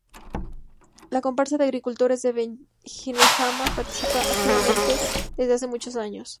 La comparsa de agricultores de Benejama participa activamente desde hace muchos años.